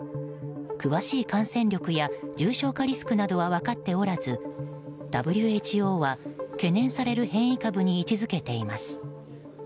詳しい感染力や重症化リスクなどは分かっておらずＷＨＯは懸念される変異株に位置づけています。